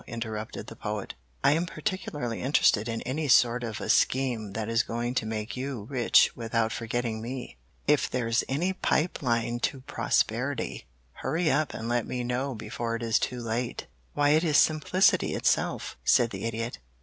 interrupted the Poet. "I am particularly interested in any sort of a scheme that is going to make you rich without forgetting me. If there's any pipe line to prosperity, hurry up and let me know before it is too late." "Why, it is simplicity itself," said the Idiot.